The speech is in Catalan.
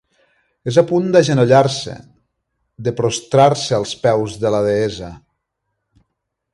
És a punt d'agenollar-se, de prostrar-se als peus de la deessa.